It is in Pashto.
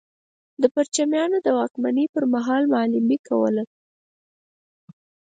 د پرچمیانو د واکمنۍ پر مهال معلمي کوله.